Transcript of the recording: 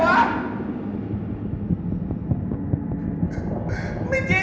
จัดเต็มให้เลย